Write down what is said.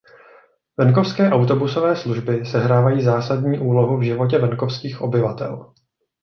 Venkovské autobusové služby sehrávají zásadní úlohu v životě venkovských obyvatel.